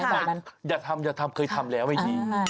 อย่าทำอย่าทำเคยทำแล้วไม่ดี